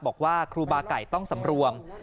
บอกว่าครูบาไก่ต้องสำรวม